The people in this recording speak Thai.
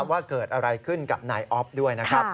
ว่าเกิดอะไรขึ้นกับนายอ๊อฟด้วยนะครับ